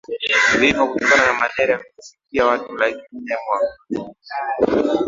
vifo kutokana na malaria vilifikia watu laki nne kwa mwaka